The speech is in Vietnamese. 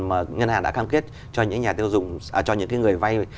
mà ngân hàng đã cam kết cho những người vay